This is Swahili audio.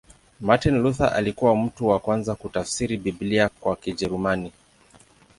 Martin Luther alikuwa mtu wa kwanza kutafsiri Biblia kwa Kijerumani.